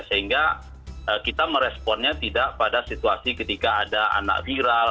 sehingga kita meresponnya tidak pada situasi ketika ada anak viral